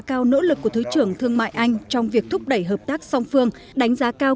cao nỗ lực của thứ trưởng thương mại anh trong việc thúc đẩy hợp tác song phương đánh giá cao